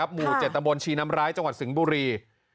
หมู่๗ตำบลชีน้ำร้ายจังหวัดสิงห์บุรี